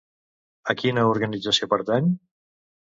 A quina organització pertany?